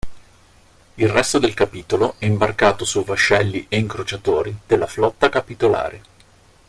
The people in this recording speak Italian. Il resto del capitolo è imbarcato su vascelli e incrociatori della Flotta Capitolare.